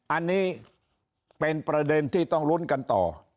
อันนี้เป็นประเด็นที่ต้องลุ้นกันต่อ